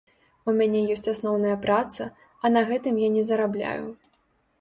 У мяне ёсць асноўная праца, а на гэтым я не зарабляю.